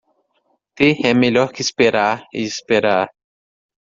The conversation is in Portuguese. Ter é melhor que esperar e esperar.